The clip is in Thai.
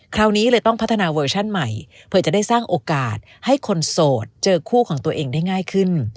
คราวนี้เลยต้องพัฒนาเวอร์ชั่นใหม่เผื่อจะได้สร้างโอกาสให้คนโสดเจอคู่ของตัวเองได้ง่ายขึ้น